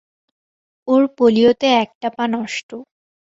ওর পোলিওতে একটা পা নষ্ট।